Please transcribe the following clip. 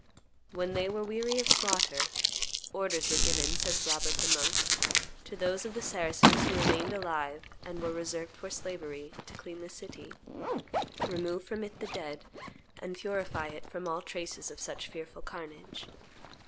When they were weary of slaughter, "orders were given," says Robert the monk, "to those of the Saracens who remained alive and were reserved for slavery, to clean the city, remove from it the dead, and purify it from all traces of such fearful carnage.